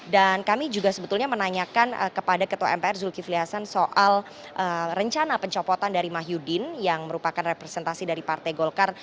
dan kami juga sebetulnya menanyakan kepada ketua mpr zulkifli hasan soal rencana pencopotan dari mahyudin yang merupakan representasi dari partai golkar